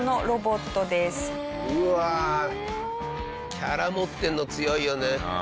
キャラ持ってるの強いよね。